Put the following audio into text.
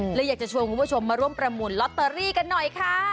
เลยอยากจะชวนคุณผู้ชมมาร่วมประมูลลอตเตอรี่กันหน่อยค่ะ